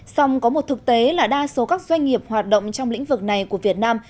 song có một thực tế là đa số các doanh nghiệp hoạt động trong lĩnh vực này của việt nam